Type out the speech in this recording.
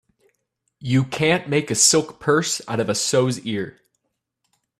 You can't make a silk purse out of a sow's ear.